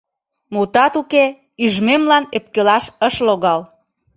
Мутат уке, ӱжмемлан ӧпкелаш ыш логал.